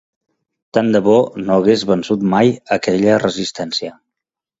Tant de bo no hagués vençut mai aquella resistència.